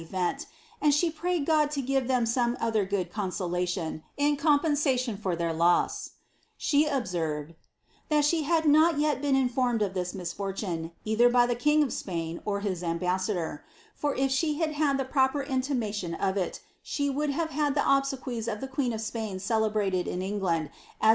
ent ; and she prayed God to give them some otiier good consolation in compensation for their loss." She observed, ^^ that she had not yet been informed of this misfortune, either by the king of Spain or his tmbassador : for if she had had the proper intimation of it, she would 'The literary world is ii.